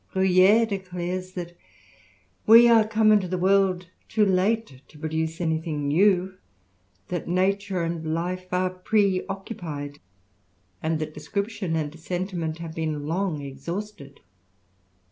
Bruyer^^ declares that we are come into the world too late to pro^ duce any thing new, that nature and life are preoccupied^ and that description and sentiment have been lon^ exhausted.